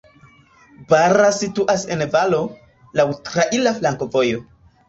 Bara situas en valo, laŭ traira flankovojo.